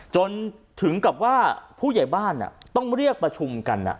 จนถึงกับว่าผู้ใหญ่บ้านต้องเรียกประชุมกัน